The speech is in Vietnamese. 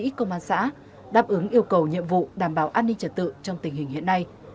các công an xã đáp ứng yêu cầu nhiệm vụ đảm bảo an ninh trật tự trong tình hình hiện nay